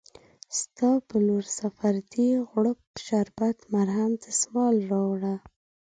ستا په لورسفردي، غوړپ شربت، مرهم، دسمال راوړه